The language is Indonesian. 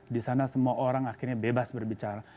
di sana semua orang akhirnya bebas berbicara